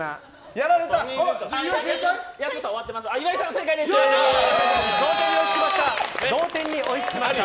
やられた！